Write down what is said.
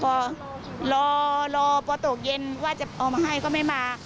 พอรอพอตกเย็นว่าจะเอามาให้ก็ไม่มา